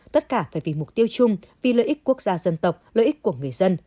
tất cả phải vì mục tiêu chung vì lợi ích quốc gia dân tộc lợi ích của người dân